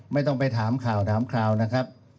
ไม่ต้องไปถามข่าวถามคราวนะครับ